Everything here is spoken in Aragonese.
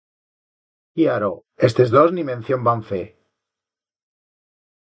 Cllaro, estes dos ni mención van fer.